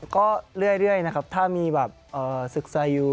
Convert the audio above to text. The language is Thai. ก็เรื่อยนะครับถ้ามีศึกษายุ